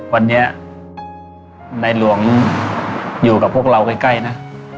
วันนี้ในหลวงอยู่กับพวกเราใกล้นะ